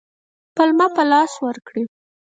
پلمه په لاس ورکړي.